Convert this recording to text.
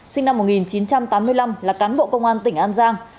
sinh năm một nghìn chín trăm tám mươi năm là cán bộ công an tỉnh an giang